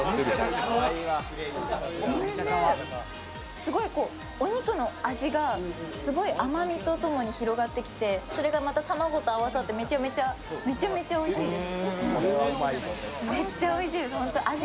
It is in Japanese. すごいお肉の味がすごい甘味とともに広がってきてそれがまた卵と合わさってめちゃめちゃおいしいです。